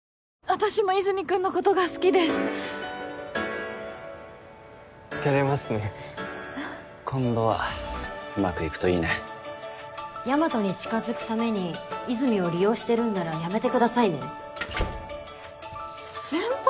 私も和泉君のことが好きです照れますね今度はうまくいくといいね大和に近づくために和泉を利用してるんならやめてくださいね先輩！？